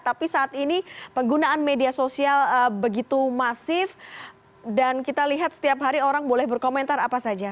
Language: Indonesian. tapi saat ini penggunaan media sosial begitu masif dan kita lihat setiap hari orang boleh berkomentar apa saja